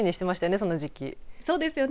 そうですよね。